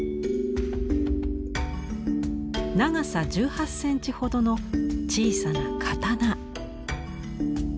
長さ１８センチほどの小さな刀。